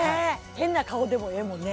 変な顔でもええもんね